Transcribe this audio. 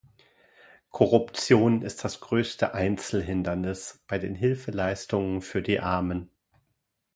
Korruption ist das größte Einzelhindernis bei den Hilfeleistungen für die Armen.